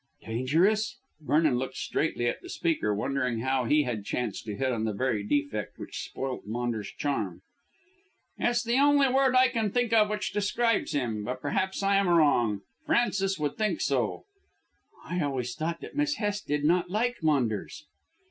"Dangerous?" Vernon looked straightly at the speaker, wondering how he had chanced to hit on the very defect which spoilt Maunders' charm. "It's the only word I can think of which describes him. But perhaps I am wrong. Frances would think so." "I always thought that Miss Hest did not like Maunders.